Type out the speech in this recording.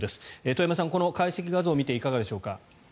遠山さん、この解析画像を見ていかがでしょうか？